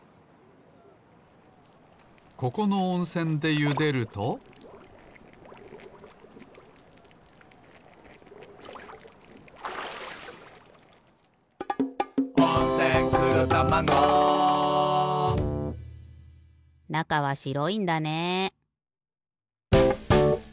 ここのおんせんでゆでると「温泉黒たまご」なかはしろいんだね。